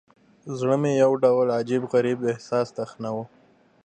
زړه مې يو ډول عجيب، غريب احساس تخنوه.